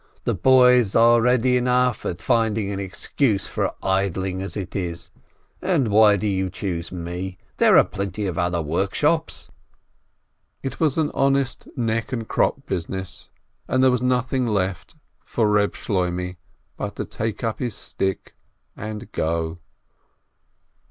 "The boys are ready enough at finding an excuse for idling as it is ! And why do you choose me? There are plenty of other workshops " It was an honest "neck and crop" business, and there was nothing left for Eeb Shloimeh but to take up his stick and go.